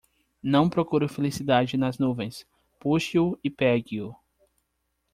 Não procure felicidade nas nuvens; Puxe-o e pegue-o!